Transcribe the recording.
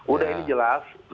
udah ini jelas